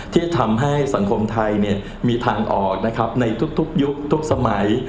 ที่จะทำให้สังคมไทยมีทางออกนะครับในทุกยุคทุกสมัย